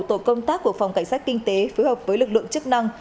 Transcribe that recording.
tổ công tác của phòng cảnh sát kinh tế phối hợp với lực lượng chức năng